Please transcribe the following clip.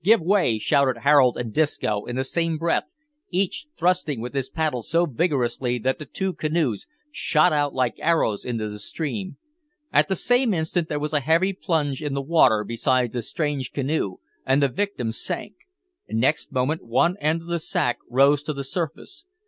give way!" shouted Harold and Disco in the same breath, each thrusting with his paddle so vigorously that the two canoes shot out like arrows into the stream. At the same instant there was a heavy plunge in the water beside the strange canoe, and the victim sank. Next moment one end of the sack rose to the surface.